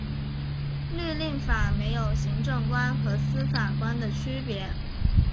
律令法没有行政官和司法官的区别。